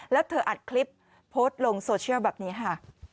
แล้วเธออัดคลิปโพสต์ลงโซเชียลแบบนี้ค่ะ